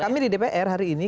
kami di dpr hari ini